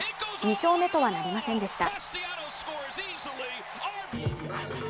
２勝目とはなりませんでした。